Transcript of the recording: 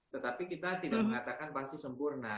tetapi kita tidak mengatakan pasti sempurna